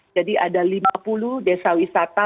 jadi ada lima puluh desa wisata